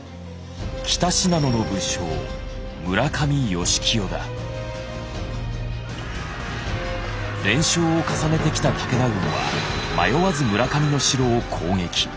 北信濃の武将連勝を重ねてきた武田軍は迷わず村上の城を攻撃。